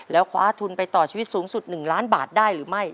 แล้วคว้าทุนไปต่อชีวิตสูงสุด๑ล้านบาทได้หรือไม่